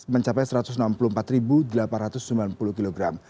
mencapai satu ratus enam puluh empat delapan ratus sembilan puluh kg